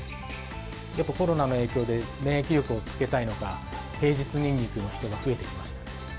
やっぱコロナの影響で、免疫力をつけたいのか、平日ニンニクの人が増えてきましたね。